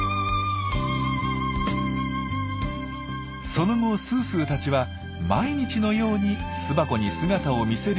その後すーすーたちは毎日のように巣箱に姿を見せるようになりました。